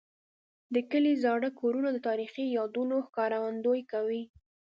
د کلي زاړه کورونه د تاریخي یادونو ښکارندوي کوي.